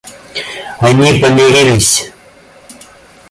Они помирились.